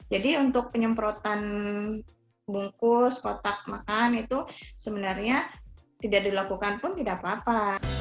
jadi untuk penyemprotan bungkus kotak makan itu sebenarnya tidak dilakukan pun tidak apa apa